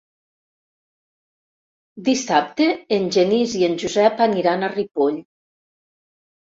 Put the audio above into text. Dissabte en Genís i en Josep aniran a Ripoll.